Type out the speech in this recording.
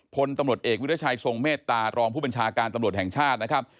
พลตำรวจเอกวิทยาชัยทรงเมตตารองผู้บัญชาการตำรวจแห่งชาตินะครับ